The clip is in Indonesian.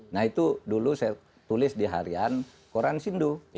nah itu dulu saya tulis di harian koran sindu